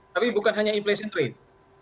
tapi bukan hanya inflation rate